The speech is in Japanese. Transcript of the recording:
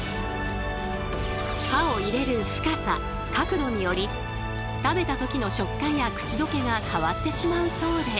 刃を入れる深さ角度により食べた時の食感や口溶けが変わってしまうそうで。